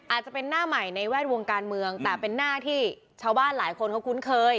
อาจจะเป็นหน้าใหม่ในแวดวงการเมืองแต่เป็นหน้าที่ชาวบ้านหลายคนเขาคุ้นเคย